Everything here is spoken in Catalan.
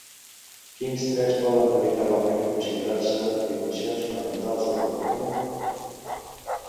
Quins tres poden veritablement considerar-se dimensions fonamentals del comportament?